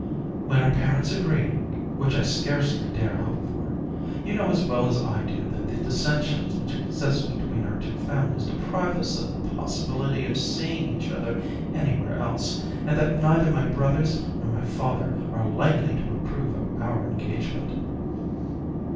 When our parents agree, which I scarcely dare hope for. You know as well as I do that the dissensions which exist between our two families deprive us of the possibility of seeing each other anywhere else, and that neither my brothers nor my father are likely to approve of our engagement.